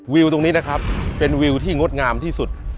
วิวตรงนี้นะครับเป็นวิวที่งดงามที่สุด